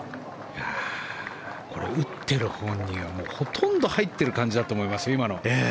これ、打ってる本人は今のほとんど入ってる感じだと思いますよ。